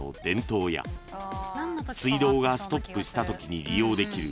［水道がストップしたときに利用できる］